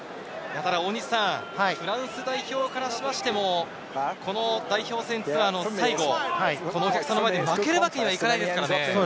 フランス代表からしても、この代表戦ツアーの最後、このお客さんの前で負けるわけにはいかないですからね。